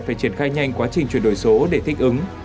phải triển khai nhanh quá trình chuyển đổi số để thích ứng